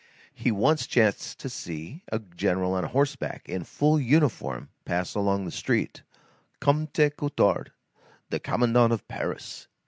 He once chanced to see a general on horseback, in full uniform, pass along the street, Comte Coutard, the commandant of Paris.